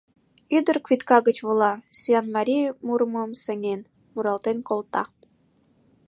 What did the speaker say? Ӱдыр квитка гыч вола, сӱанмарий мурымым сеҥен, муралтен колта: